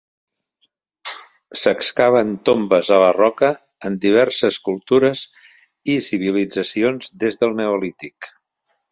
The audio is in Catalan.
S'excaven tombes a la roca en diverses cultures i civilitzacions des del neolític.